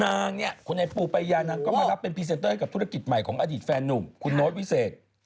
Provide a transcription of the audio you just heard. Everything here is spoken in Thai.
นางเนี่ยคุณไอปูปายานางก็มารับเป็นพรีเซนเตอร์ให้กับธุรกิจใหม่ของอดีตแฟนหนุ่มคุณโน้ตวิเศษ